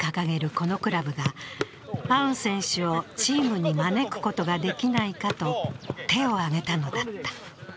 このクラブがアウン選手をチームに招くことができないかと手を挙げたのだった。